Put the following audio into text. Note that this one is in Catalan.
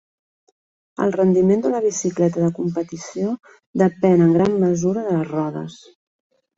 El rendiment d'una bicicleta de competició depèn en gran mesura de les rodes.